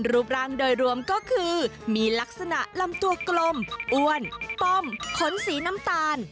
รูปร่างโดยรวมก็คือมีลักษณะลำตัวกลมอ้วนป้อมขนสีน้ำตาล